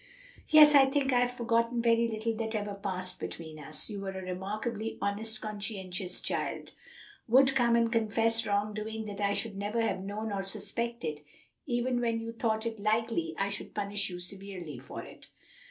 "Yes, I think I have forgotten very little that ever passed between us. You were a remarkably honest, conscientious child would come and confess wrong doing that I should never have known or suspected, even when you thought it likely I should punish you severely for it."